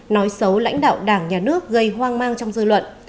nói xấu lãnh đạo đảng nhà nước gây hoang mang trong dư luận